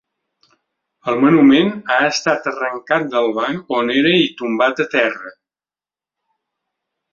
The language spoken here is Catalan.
El monument ha estat arrencat del banc on era i tombat a terra.